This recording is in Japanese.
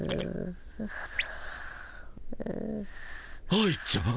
愛ちゃん。